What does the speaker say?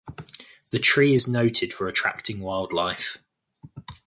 The tree is noted for attracting wildlife.